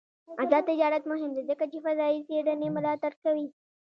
آزاد تجارت مهم دی ځکه چې فضايي څېړنې ملاتړ کوي.